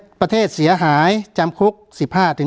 การแสดงความคิดเห็น